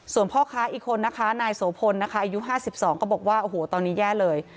ส่วนพ่อค้าอีกคนนะคะนายโสพลนะคะอายุ๕๒ก็บอกว่าโอ้โหตอนนี้แย่เลย